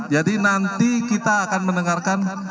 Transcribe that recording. jadi nanti kita akan mendengarkan